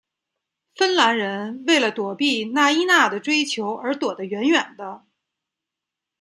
芬兰人为了躲避纳伊娜的追求而躲得远远的。